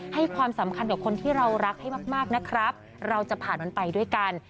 ให้ความสำคัญกับคนที่เรารักให้มากนะครับเราจะผ่านมันไปด้วยกัน